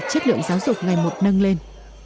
chất lượng giáo dục ngày một nâng lên